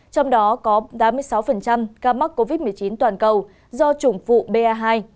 trong đó có tám mươi sáu ca mắc covid một mươi chín toàn cầu do chủng phụ ba hai